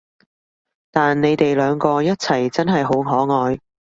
但你哋兩個一齊真係好可愛